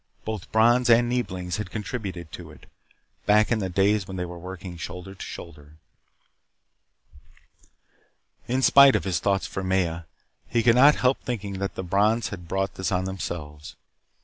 Both Brons and Neeblings had contributed to it, back in the days when they were working shoulder to shoulder. In spite of his thoughts for Maya, he could not help thinking that the Brons had brought this on themselves.